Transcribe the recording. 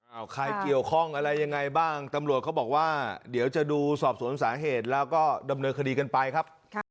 แล้วครับตีกันมันไม่ชิบนะครับ